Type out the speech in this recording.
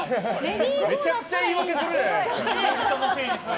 めちゃくちゃ言い訳するじゃないですか！